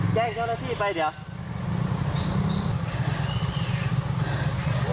แจ้งเจ้าหน้าที่ไปเดี๋ยว